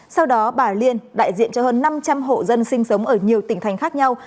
sau đó bà liên đại diện cho hơn năm trăm linh hộ dân sinh sống ở nhiều tỉnh thành khác nhau